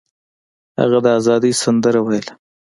هغه د ازادۍ سندره ویله.